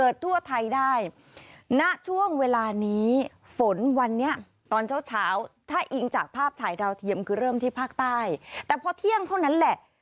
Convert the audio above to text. แต่พอเทียมคือเริ่มที่ภาคใต้แต่พอเที่ยงเท่านั้นแหละ